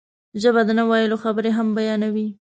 ژبه د نه ویلو خبرې هم بیانوي